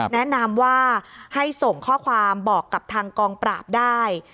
แนะนำว่าให้ส่งข้อความบอกกับทางกองปราบได้